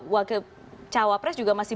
waktu cawapres juga masih